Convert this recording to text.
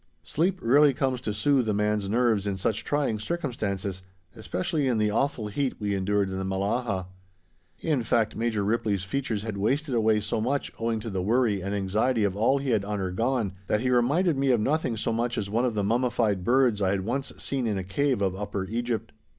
Sleep rarely comes to soothe a man's nerves in such trying circumstances, especially in the awful heat we endured in the Mellahah; in fact, Major Ripley's features had wasted away so much owing to the worry and anxiety of all he had undergone that he reminded me of nothing so much as one of the mummified birds I had once seen in a cave of Upper Egypt.